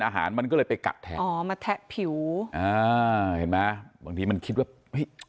อาหารมันก็ได้ไปกะแรงมันแทะผิวเห็นไหมบางทีมันคิดว่า